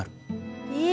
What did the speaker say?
え！